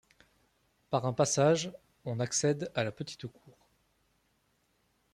Par un passage, on accède à la petite cour.